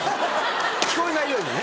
聞こえないようにね。